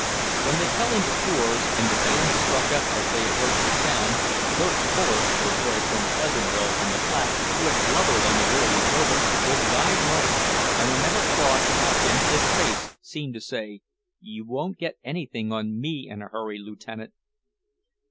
When they fell into fours, and the band struck up as they approached a town, Bert Fuller, the boy from Pleasantville on the Platte, who had blubbered on the voyage over, was guide right, and whenever Claude passed him his face seemed to say, "You won't get anything on me in a hurry, Lieutenant!"